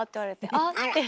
「あ！」って。